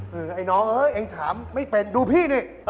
ไปหนองอย่างให้ถามไม่เป็นดูพี่นี่